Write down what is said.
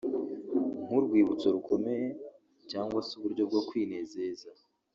nk’urwibutso rukomeye cyangwa se uburyo bwo kwinezeza